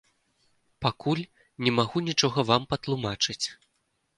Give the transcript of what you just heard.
Пакуль не магу нічога вам патлумачыць.